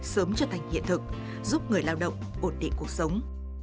sớm trở thành hiện thực giúp người lao động ổn định cuộc sống